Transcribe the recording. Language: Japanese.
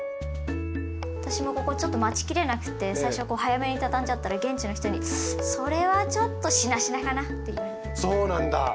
私もここちょっと待ちきれなくて最初こう早めに畳んじゃったら現地の人に「それはちょっとしなしなかな」って言われて。